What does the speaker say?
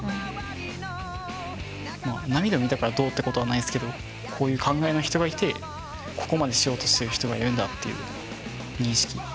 涙を見たからどうってことはないんすけどこういう考えの人がいてここまでしようとしてる人がいるんだっていう認識。